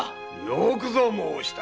よくぞ申した。